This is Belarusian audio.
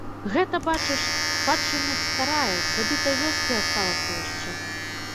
Гэта, бачыш, спадчыннасць старая, з забітай вёскі асталася яшчэ.